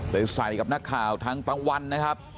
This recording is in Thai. ใส่กับนักข่าวทั้งตะวันนะครับ